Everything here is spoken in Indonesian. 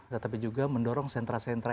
tetapi juga mendorong sentra sentra